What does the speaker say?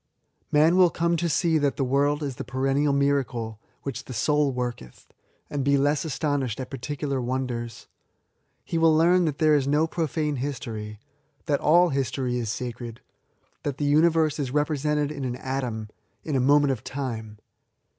" Man will come to see that the world is the perennial miracle which the sool worketh, and be less astonished at particular wonders : he will learn that there is no profisne history ; that all history is sacred ; that the nniyerse is represented in an atom, in a moment of time.